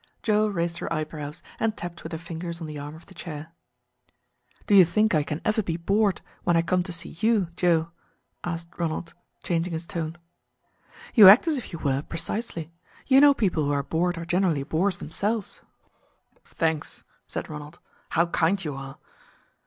Joe raised her eyebrows and tapped with her fingers on the arm of the chair. "Do you think I can ever be bored when I come to see you, Joe?" asked Ronald, changing his tone. "You act as if you were, precisely. You know people who are bored are generally bores themselves." "Thanks," said Ronald. "How kind you are!"